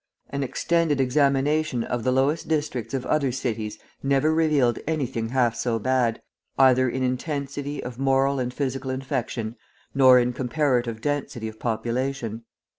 An extended examination of the lowest districts of other cities never revealed anything half so bad, either in intensity of moral and physical infection, nor in comparative density of population.